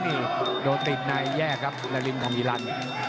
โดยติดในแย่ครับและริมคงมีรัน